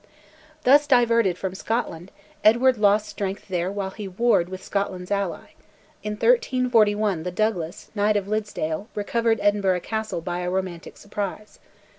Thus diverted from Scotland, Edward lost strength there while he warred with Scotland's ally: in 1341 the Douglas, Knight of Liddesdale, recovered Edinburgh Castle by a romantic surprise.